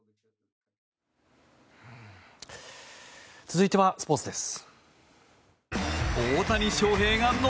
続いてはスポーツです。